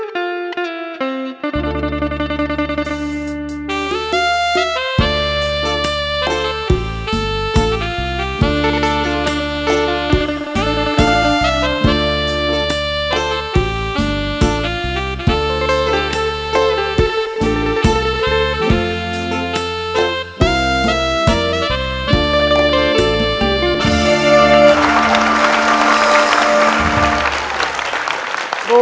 บูครับ